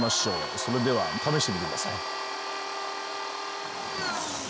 それでは試してみてください。